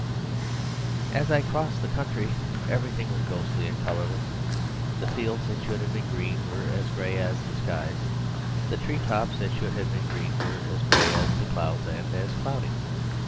As I crossed the country everything was ghostly and colourless. The fields that should have been green were as grey as the skies; the tree tops that should have been green were as grey as the clouds and as cloudy.